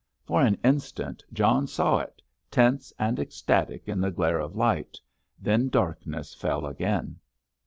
For an instant John saw it, tense and ecstatic in the glare of light—then darkness fell again.